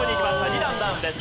２段ダウンです。